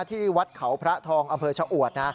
ที่วัดเขาพระทองอำเภอชะอวดนะ